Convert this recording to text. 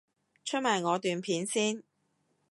出埋我段片先